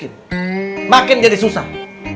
kalau miskin makin jadi susah